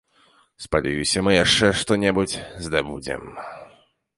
Спадзяюся, мы яшчэ што-небудзь здабудзем.